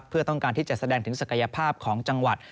เพื่อต้องการที่จะแสดงถึงศักยภาพของจังหวัด